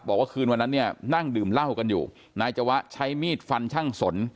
บอกว่าคืนวันนั้นเนี่ยนั่งดื่มเหล้ากันอยู่นายจวะใช้มีดฟันช่างสน